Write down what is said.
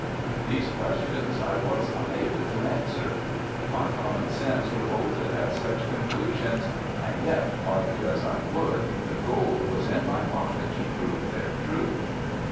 These questions I was unable to answer. My common sense revolted at such conclusions and yet, argue as I would, the gold was in my pocket to prove their truth.